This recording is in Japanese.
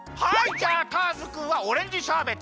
じゃあターズくんはオレンジシャーベット。